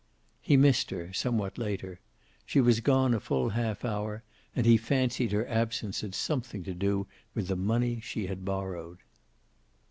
He missed her, somewhat later. She was gone a full half hour, and he fancied her absence had something to do with the money she had borrowed.